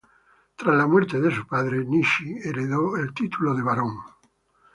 Tras la muerte de su padre, Nishi heredó el título de barón.